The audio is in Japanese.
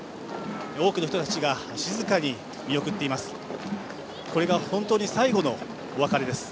多くの人たちが、静かに見送っています。